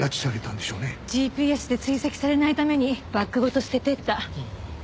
ＧＰＳで追跡されないためにバッグごと捨てていった。